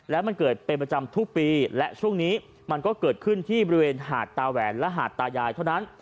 แล้วมันเกิดเป็นประจำทุกปีและช่วงนี้มันก็เกิดขึ้นที่บริเวณหาดตาแหวนและหาดตายายเท่านั้น